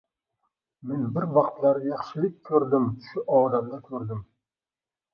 Men bir vaqtlar yaxshilik ko‘rdim — shu odamdan ko‘rdim.